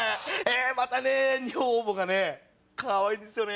またね女房がかわいいですよね。